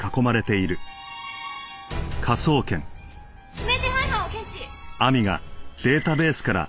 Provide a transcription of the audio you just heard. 指名手配犯を検知！